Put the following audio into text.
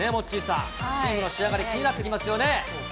チームの仕上がり、気になってきますよね。